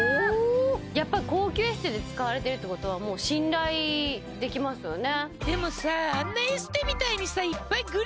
やっぱ高級エステで使われてるってことはもう信頼できますよね